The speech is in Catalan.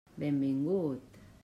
Benvingut!